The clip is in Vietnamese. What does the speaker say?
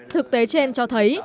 thực tế trên cho thấy